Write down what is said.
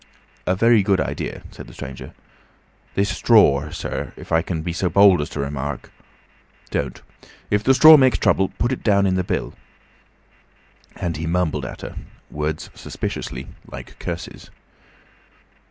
"A very good idea," said the stranger. "This stror, sir, if I might make so bold as to remark—" "Don't. If the straw makes trouble put it down in the bill." And he mumbled at her—words suspiciously like curses.